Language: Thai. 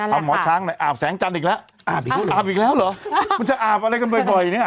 เอาหมอช้างหน่อยอาบแสงจันทร์อีกแล้วอาบอีกแล้วอาบอีกแล้วเหรอคุณจะอาบอะไรกันบ่อยเนี่ย